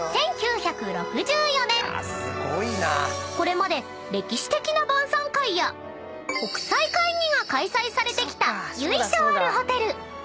［これまで歴史的な晩さん会や国際会議が開催されてきた由緒あるホテル］